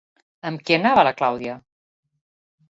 Amb qui anava la Clàudia?